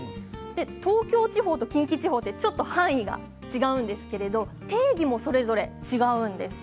東京地方と近畿地方ちょっと範囲が違うんですけれど定義もそれぞれ違うんです。